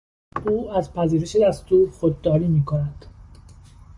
او از پذیرش دستور خودداری میکند.